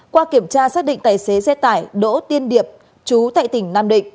qua kiểm tra xác định tài xế xe tải đỗ tiên điệp chú tại tỉnh nam định